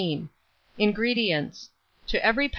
INGREDIENTS. To every lb.